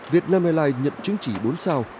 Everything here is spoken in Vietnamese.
việt nam airlines nhận chứng chỉ bốn sao